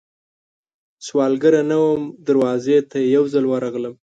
سوالګره نه وم، دروازې ته یې یوځل ورغلم